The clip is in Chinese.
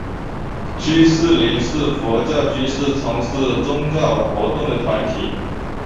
居士林是佛教居士从事宗教活动的团体。